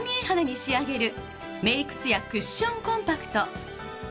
肌に仕上げるメイク艶クッションコンパクト。